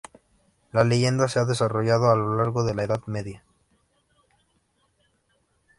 La leyenda se ha desarrollado a lo largo de la Edad Media.